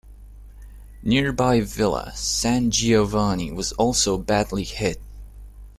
Nearby Villa San Giovanni was also badly hit.